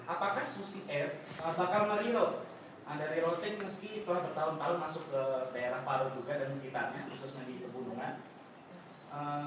apakah susi air bakal me reload anda re loading meski telah bertahun tahun masuk ke daerah paro juga dan sekitarnya khususnya di kebunungan